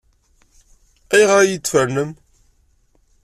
Ayɣer ay iyi-d-tfernem?